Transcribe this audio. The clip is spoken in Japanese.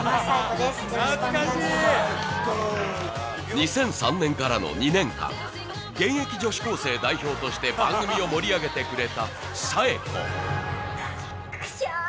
２００３年からの２年間、現役女子高生代表として番組を盛り上げてくれた紗栄子。